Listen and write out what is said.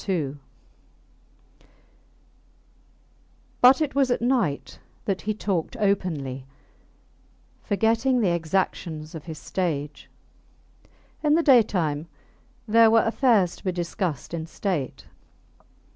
II But it was at night that he talked openly, forgetting the exactions of his stage. In the daytime there were affairs to be discussed in state.